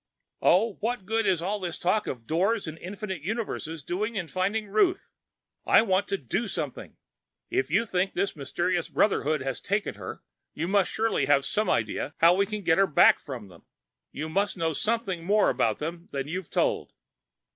"Oh, what good is all this talk about Doors and infinite universes doing in finding Ruth? I want to do something! If you think this mysterious Brotherhood has taken her, you must surely have some idea of how we can get her back from them? You must know something more about them than you've told."